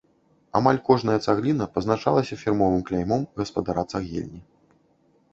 Амаль кожная цагліна пазначалася фірмовым кляймом гаспадара цагельні.